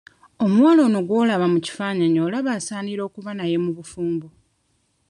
Omuwala ono gw'olaba mu kifaananyi olaba ansaanira okuba naye mu bufumbo?